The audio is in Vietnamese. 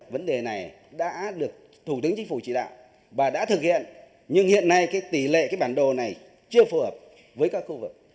vấn đề này đã được thủ tướng chính phủ chỉ đạo và đã thực hiện nhưng hiện nay tỷ lệ cái bản đồ này chưa phù hợp với các khu vực